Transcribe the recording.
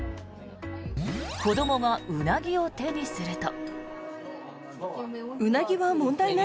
子どもがウナギを手にすると。